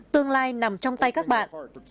tương lai nằm trong tay các bạn